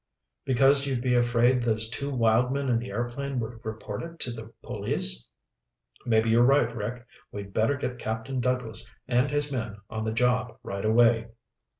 "Because you'd be afraid those two wild men in the airplane would report it to the police? Maybe you're right, Rick. We'd better get Captain Douglas and his men on the job right away!"